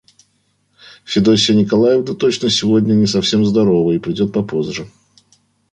Федосья Николаевна точно сегодня не совсем здорова и придет попозже.